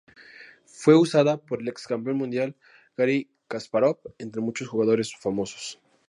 Fue usada por el ex campeón mundial Gary Kasparov entre muchos jugadores famosos.